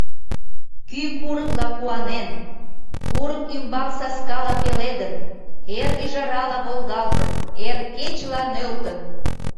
Кӱ курыкла куанен, курык ӱмбал саскала пеледын, эр ӱжарала волгалтын, эр кечыла нӧлтын...